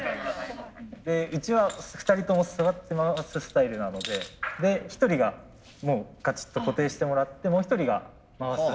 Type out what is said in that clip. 一応２人とも座って回すスタイルなので１人がガチッと固定してもらってもう一人が回す。